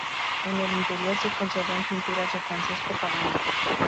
En el interior se conservan pinturas de Francesco Pagano.